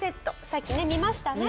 さっきね見ましたね。